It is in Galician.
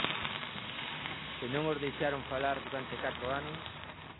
¡Se non os deixaron falar durante catro anos!